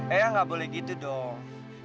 ayang gak boleh gitu dong